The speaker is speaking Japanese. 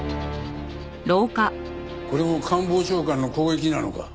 これも官房長官の攻撃なのか？